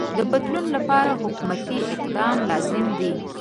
د بدلون لپاره حکومتی اقدام لازم دی.